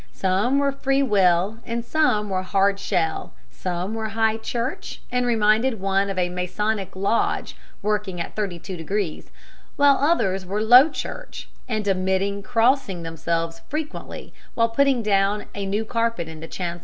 Some were Free Will and some were Hard Shell, some were High Church and reminded one of a Masonic Lodge working at 32°, while others were Low Church and omitted crossing themselves frequently while putting down a new carpet in the chancel.